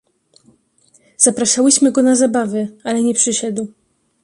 "Zapraszałyśmy go na zabawy, ale nie przyszedł."